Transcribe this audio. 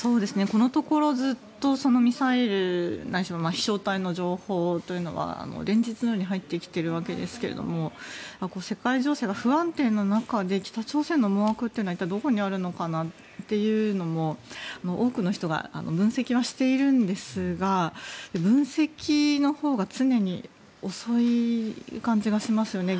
このところずっとミサイル、ないしは飛翔体の情報というのは連日のように入ってきているわけですが世界情勢が不安定な中で北朝鮮の思惑というのは一体どこにあるのかなっていうのも多くの人が分析はしているんですが分析のほうが常に遅い感じがしますよね。